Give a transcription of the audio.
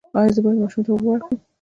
ایا زه باید ماشوم ته اوبه ورکړم؟